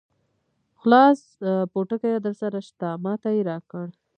خلاص پوټکی درسره شته؟ ما ته یې راکړ.